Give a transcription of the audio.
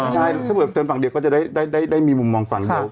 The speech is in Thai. ใช่ถ้าเกิดเป็นฝั่งเดียวก็จะได้มีมุมมองฝั่งเดียว